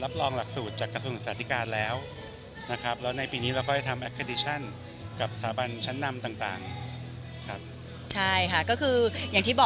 เป็นระบบอเมริกันทั้งหมดนะครับแต่เป็นหลักสูตรที่เขียนขึ้นเองนะครับ